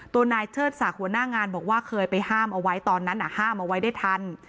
ตัวนายเชิดศักดิ์หัวหน้างานบอกว่าเคยไปห้ามเอาไว้ตอนนั้นห้ามเอาไว้ได้ทัน